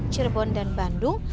cirebon dan bandung